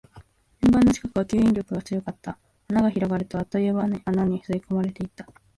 円盤の近くは吸引力が強かった。穴が広がると、あっという間に穴の中に吸い込まれていった。